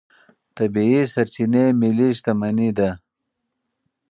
طبیعي سرچینې ملي شتمني ده.